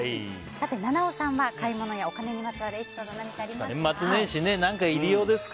菜々緒さんは買い物やお金にまつわるエピソード何かありますか？